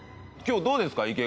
今日どうですか？